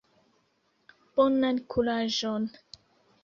Bonan kuraĝon!